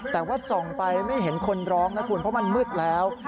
แต่ว่าส่องไปไม่เห็นคนร้องนะคุณเพราะมันมืดแล้ว